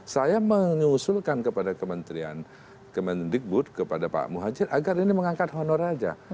saya mengusulkan kepada kementerian kementikbud kepada pak muhajir agar ini mengangkat honor aja